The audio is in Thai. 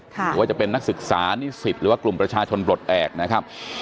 หรือว่าจะเป็นนักศึกษานิสิตหรือว่ากลุ่มประชาชนปลดแอบนะครับ